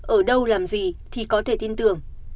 ở đâu làm gì thì có thể tin tưởng